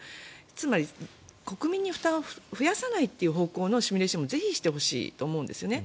つまり国民に負担を増やさないという方向のシミュレーションもぜひしてほしいと思うんですね。